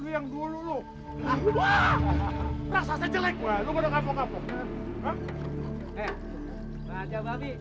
ya lu biasa aja pak